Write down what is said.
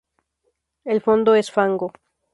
El fondo es fango.